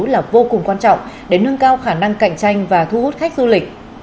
là vô cùng quan trọng để nâng cao khả năng cạnh tranh và thu hút khách du lịch